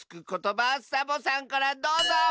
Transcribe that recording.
ことばサボさんからどうぞ！